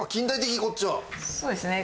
そうですね